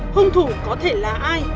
hung thủ có thể là ai